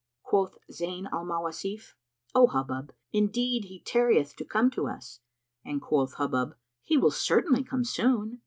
Quoth Zayn al Mawasif, "O Hubub, indeed he tarrieth to come to us;" and quoth Hubub, "He will certainly come soon."